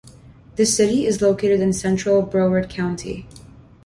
The city is located in central Broward County.